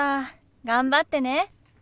頑張ってね。